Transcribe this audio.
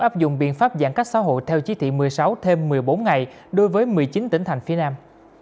áp dụng biện pháp giãn cách xã hội theo chí thị một mươi sáu thêm một mươi bốn ngày đối với một mươi chín tỉnh thành phía nam